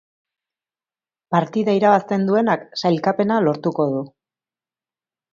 Partida irabazten duenak sailkapena lortuko du.